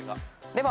では